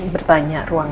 bah enam puluh empat tahun